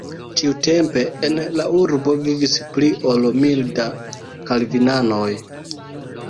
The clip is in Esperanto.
Tiutempe en la urbo vivis pli ol mil da kalvinanoj.